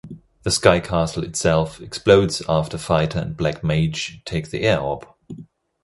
The Sky Castle itself explodes after Fighter and Black Mage take the Air Orb.